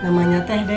namanya teh dedeh